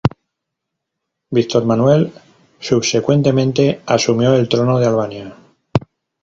Víctor Manuel subsecuentemente asumió el trono de Albania.